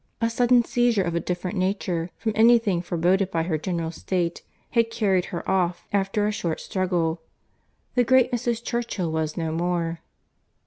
A sudden seizure of a different nature from any thing foreboded by her general state, had carried her off after a short struggle. The great Mrs. Churchill was no more.